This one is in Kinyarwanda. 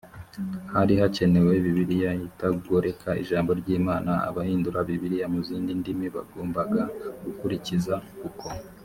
hari hakenewe bibiliya itagoreka ijambo ry imana abahinduye bibiliya mu zindi ndimi bagombaga gukurikiza uko